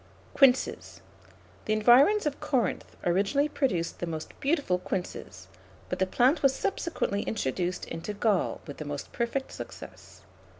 [Illustration: QUINCE.] QUINCES. The environs of Corinth originally produced the most beautiful quinces, but the plant was subsequently introduced into Gaul with the most perfect success.